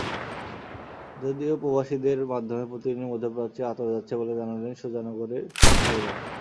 যদিও প্রবাসীদের মাধ্যমে প্রতিদিনই মধ্যপ্রাচ্যে আতর যাচ্ছে বলে জানালেন সুজানগরের ব্যবসায়ীরা।